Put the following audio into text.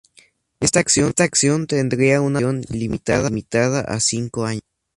Esta acción tendría una duración limitada a cinco años.